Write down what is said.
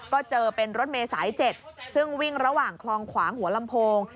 ก็เจอเป็นรถเมษาย๗ซึ่งวิ่งระหว่างคลองขวางหัวลำโพง